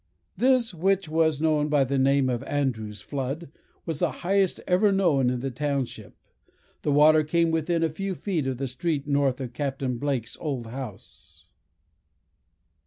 This, which was known by the name of Andrew's flood, was the highest ever known in the township. The water came within a few feet of the street north of Captain Blake's old house."